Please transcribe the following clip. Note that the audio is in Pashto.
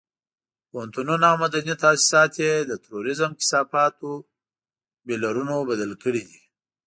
پوهنتونونه او مدني تاسيسات یې د تروريزم کثافاتو بيولرونو بدل کړي دي.